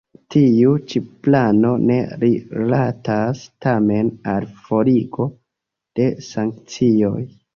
Tiu ĉi plano ne rilatas tamen al forigo de sankcioj.